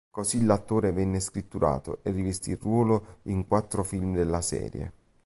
Così l'attore venne scritturato e rivestì il ruolo in quattro film della serie.